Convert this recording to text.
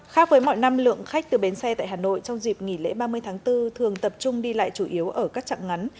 khác với mọi năm lượng khách từ bến xe tại hà nội trong dịp nghỉ lễ ba mươi tháng bốn thường tập trung đi lại chủ yếu ở các trạng ngắn